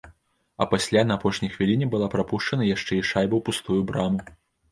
А пасля на апошняй хвіліне была прапушчана яшчэ і шайба ў пустую браму.